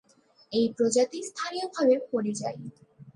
এই প্রজাতি স্থানীয়ভাবে পরিযায়ী।